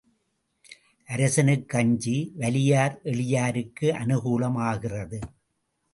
அரசனுக்கு அஞ்சி வலியார் எளியாருக்கு அநுகூலம் ஆகிறது.